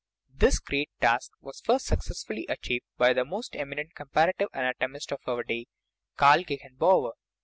This great task was first success fully achieved by the most eminent comparative anat omist of our day, Karl Gegenbaur.